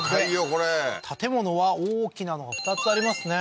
これ建物は大きなのが２つありますね